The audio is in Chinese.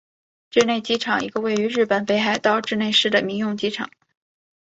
稚内机场一个位于日本北海道稚内市的民用机场。